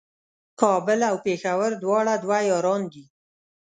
کابل او پېښور دواړه دوه یاران دي